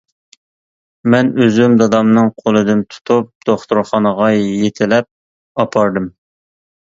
مەن ئۆزۈم دادامنىڭ قولىدىن تۇتۇپ دوختۇرخانىغا يېتىلەپ ئاپاردىم.